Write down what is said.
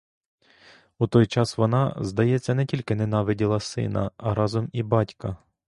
У той час вона, здається, не тільки ненавиділа сина, а разом і батька.